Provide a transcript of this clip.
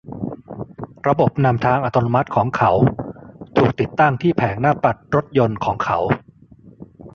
ระบบนำทางอัตโนมัติของเขา ถูกติดตั้งที่แผงหน้าปัดรถยนต์ของเขา